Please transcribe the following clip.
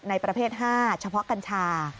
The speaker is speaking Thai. ประเภท๕เฉพาะกัญชา